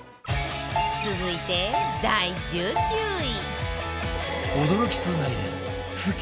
続いて第１９位